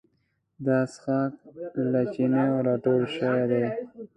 دا څښاک له چینو راټول شوی دی.